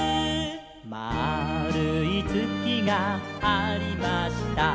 「まあるいつきがありました」